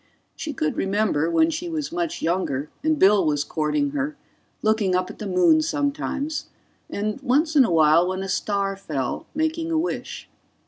She could remember, when she was much younger and Bill was courting her, looking up at the moon sometimes; and once in a while, when a star fell, making a wish.